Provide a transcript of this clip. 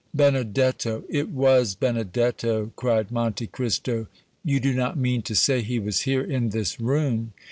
"Benedetto, it was Benedetto!" cried Monte Cristo. "You do not mean to say he was here, in this room?"